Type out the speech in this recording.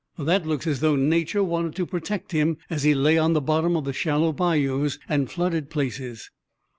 That looks as though Nature wanted to protect him as he lay on the bottom of the shallow bayous and flooded places."